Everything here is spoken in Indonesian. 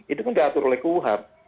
itu kan diatur oleh kuhap